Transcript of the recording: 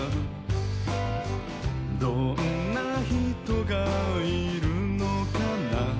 「どんなひとがいるのかな」